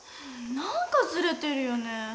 何かずれてるよね。